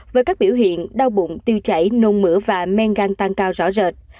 với các biểu hiện đau bụng tiêu chảy nôn mửa và men gan tăng cao rõ rệt